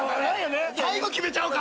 最後決めちゃおうか！